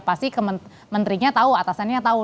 pasti menterinya tahu atasannya tahu